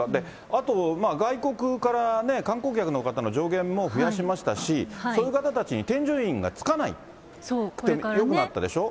あと、外国から観光客の方の上限も増やしましたし、そういう方たちに添乗員がつかなくてよくなったでしょ。